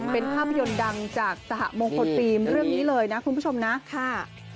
เป็นภาพยนตร์ดังจากสหมงคลฟิล์มเรื่องนี้เลยนะคุณผู้ชมนะค่ะ